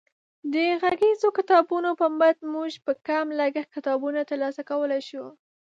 د غږیزو کتابونو په مټ موږ په کم لګښت کتابونه ترلاسه کولی شو.